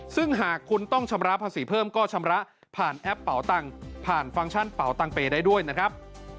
ซึ่งหากคุณต้องชำระภาษีเพิ่มก็ชำระผ่านแอปเป่าตังค์ผ่านฟังก์ชั่นเป่าตังเปย์ได้ด้วยนะครับ